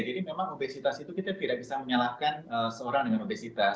jadi memang obesitas itu kita tidak bisa menyalahkan seorang dengan obesitas